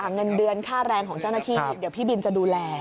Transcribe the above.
เงินเดือนค่าแรงของเจ้าหน้าที่เดี๋ยวพี่บินจะดูแล